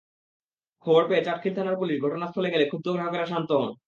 খবর পেয়ে চাটখিল থানার পুলিশ ঘটনাস্থলে গেলে ক্ষুব্ধ গ্রাহকেরা শান্ত হন।